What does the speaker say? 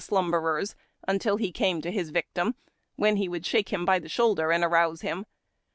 193 slumberers until he came to his victim, when he would shake him by the shoulder and arouse him.